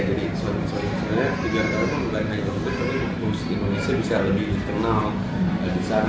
jadi sebenarnya tujuan kami bukan hanya untuk membuat musik indonesia bisa lebih dikenal di sana